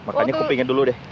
makannya kupingnya dulu deh